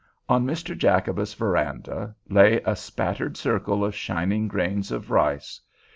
On Mr. Jacobus's veranda lay a spattered circle of shining grains of rice.